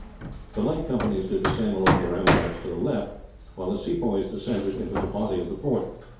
The light companies did the same along the ramparts to the left, while the Sepoys descended into the body of the fort.